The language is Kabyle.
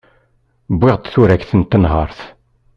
Wwiɣ-d turagt n tenhert.